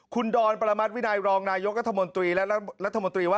คุณดอนประมาทวินัยรองนายกรัฐมนตรีและรัฐมนตรีว่า